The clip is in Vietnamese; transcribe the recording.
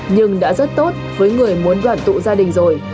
nhưng đã rất tốt với người muốn đoàn tụ gia đình rồi